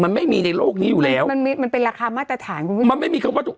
มันไม่มีในโลกนี้อยู่แล้วมันมีมันเป็นราคามาตรฐานคุณผู้ชมมันไม่มีคำว่าถูก